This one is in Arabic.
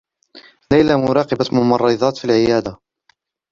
ليلى مراقبة ممرّضات في العيادة.